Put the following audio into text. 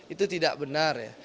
itu tidak benar ya